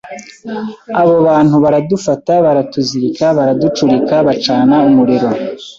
abo bantu baradufata baratuzirika baraducurika bacana umuriro